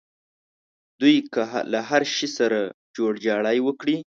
دوی که له هر شي سره جوړجاړی وکړي.